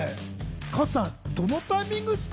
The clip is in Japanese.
加藤さん、どのタイミングですか？